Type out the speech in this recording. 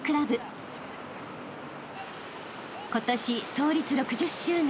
［今年創立６０周年